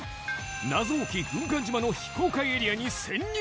謎多き軍艦島の非公開エリアに潜入！